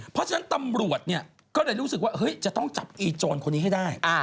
เพราะฉะนั้นตำรวจเนี่ยก็เลยรู้สึกว่าจะต้องจับอีโจรคนนี้ให้ได้